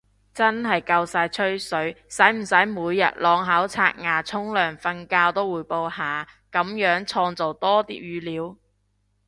真係夠晒吹水，使唔使每日啷口刷牙沖涼瞓覺都滙報下，噉樣創造多啲語料